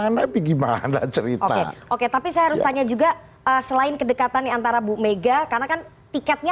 lebih gimana ceritain oke oke tapi saya harus tanya juga selain kedekatan antara bu mega karena kan tiketnya